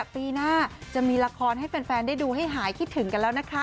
ปีหน้าจะมีละครให้แฟนได้ดูให้หายคิดถึงกันแล้วนะคะ